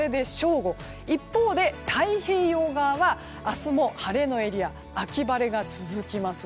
一方、太平洋側は明日も晴れのエリア秋晴れが続きます。